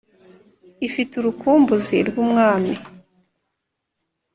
ifite urukumbuzi rw'umwami